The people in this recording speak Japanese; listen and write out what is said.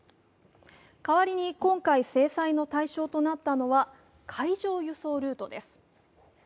代わりに、今回制裁の対象となったのは海上輸送ルートです。